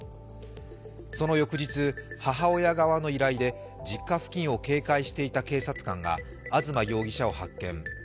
その翌日、母親側の依頼で実家付近を警戒していた警察官が東容疑者を発見。